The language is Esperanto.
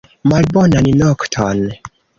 Malbonan nokton!